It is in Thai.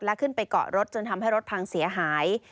และขึ้นไปเกาะรถจนทำให้รถพังเสียหาย